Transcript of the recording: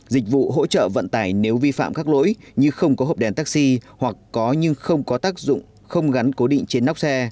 dịch vụ hỗ trợ vận tải nếu vi phạm các lỗi như không có hộp đèn taxi hoặc có nhưng không có tác dụng không gắn cố định trên nóc xe